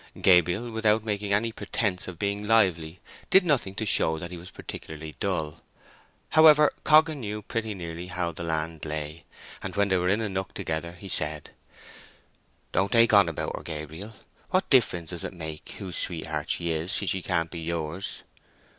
Gabriel, without making any pretence of being lively, did nothing to show that he was particularly dull. However, Coggan knew pretty nearly how the land lay, and when they were in a nook together he said— "Don't take on about her, Gabriel. What difference does it make whose sweetheart she is, since she can't be yours?"